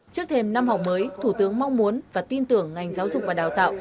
trước thêm năm học mới thủ tướng mong muốn và tin tưởng ngành giáo dục và đào tạo